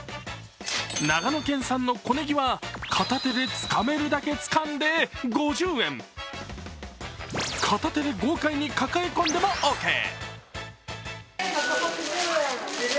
長野県産の小ねぎは片手でつかめるだけつかんで、片手で豪快に抱え込んでもオーケー。